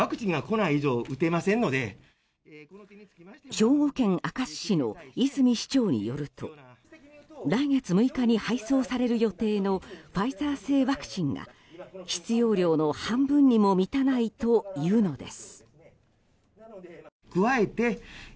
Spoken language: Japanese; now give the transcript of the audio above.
兵庫県明石市の泉市長によると来月６日に配送される予定のファイザー製ワクチンが必要量の半分にも満たないというのです。